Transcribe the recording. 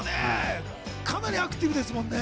かなりアクティブですもんね。